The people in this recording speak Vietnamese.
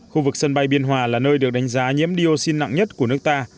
khu vực sân bay biên hòa là nơi được đánh giá nhiễm dioxin nặng nhất của nước ta